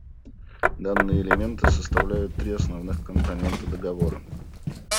Данные элементы составляют три основных компонента договора.